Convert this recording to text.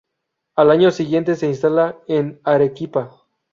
Al año siguiente se instala en Arequipa.